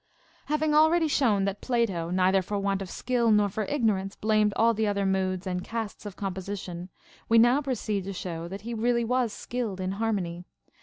22. Having already shown that Plato neither for want of skill nor for ignorance blamed all the other moods and casts of composition, we now proceed to show that he really was skilled in harmony.